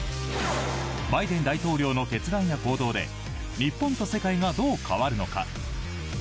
バイデン大統領の決断や行動で日本と世界がどう変わるのか。